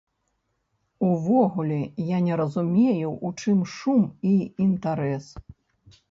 Увогуле, я не разумею, у чым шум і інтарэс.